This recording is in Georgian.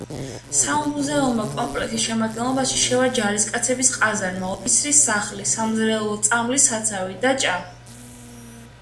სამუზეუმო კომპლექსის შემადგენლობაში შევა ჯარისკაცების ყაზარმა, ოფიცრის სახლი, სამზარეულო, წამლის საცავი და ჭა.